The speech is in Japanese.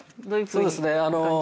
そうですね。